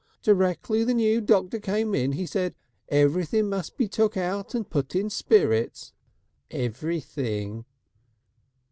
"Directly the new doctor came in he said: 'Everything must be took out and put in spirits everything.'"